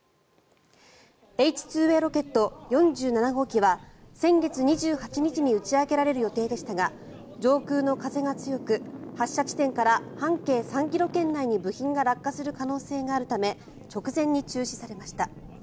Ｈ２Ａロケット４７号機は先月２８日に打ち上げられる予定でしたが上空の風が強く発射地点から半径３ｋｍ圏内に部品が落下する可能性があるため直前に中止されました。